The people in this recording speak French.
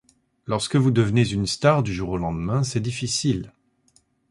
Lorsque vous devenez une star du jour au lendemain, c'est difficile.